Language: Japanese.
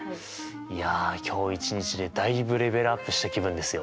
いや今日一日でだいぶレベルアップした気分ですよ。